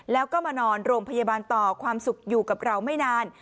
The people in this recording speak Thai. แล้วก็มานอนโรงพยาบาลต่อความสุขอยู่กับเราไม่นาน